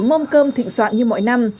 chuẩn bị bướm mâm cơm thịnh soạn như mọi năm